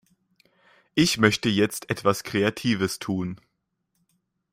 Ich möchte jetzt etwas Kreatives tun.